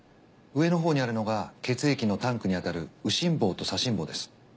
上のほうにあるのが血液のタンクにあたる右心房と左心房です。